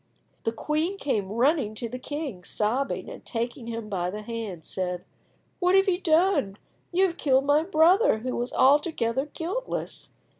The queen came running to the king, sobbing, and, taking him by the hand, said— "What have you done? You have killed my brother, who was altogether guiltless.